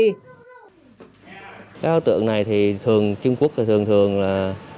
các đối tượng này thì thường trung quốc thường thường là